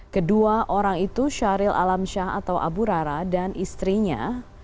kedua orang itu syahril alamsyah atau abu rara dan istrinya